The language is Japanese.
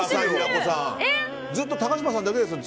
ずっと高嶋さんだけですよ。